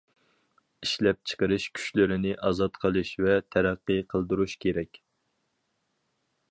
ئىشلەپچىقىرىش كۈچلىرىنى ئازاد قىلىش ۋە تەرەققىي قىلدۇرۇش كېرەك.